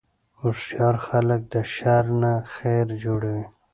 هوښیار خلک د شر نه خیر جوړوي.